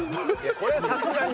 これはさすがに。